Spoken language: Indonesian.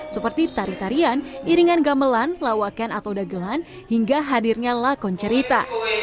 seperti tari tarian iringan gamelan lawakan atau dagelan hingga hadirnya lakon cerita